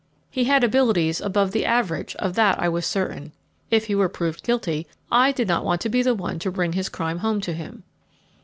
He had abilities above the average, of that I was certain if he were proved guilty, I did not want to be the one to bring his crime home to him.